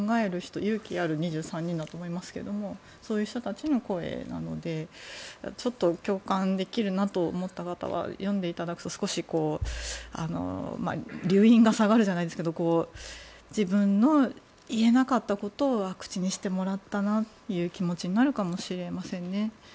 勇気ある２３人だと思いますけれどもそういう人たちの声なのでちょっと共感できるなと思った方は読んでいただくと少し溜飲が下がるじゃないですけど自分の言えなかったことを口にしてもらったという気持ちになるかもしれませんね。